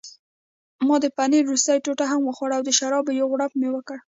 ما د پنیر وروستۍ ټوټه هم وخوړه او د شرابو یو غوړپ مې وکړ.